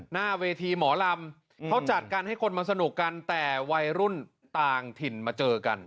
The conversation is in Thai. หน้าเวทีหมอลำเขาจัดการให้คนมาสนุกกันแต่วัยรุ่นต่างถิ่นมาเจอกัน